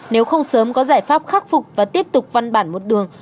nếu không sớm có giải pháp khắc phục và tiếp tục văn bản một đường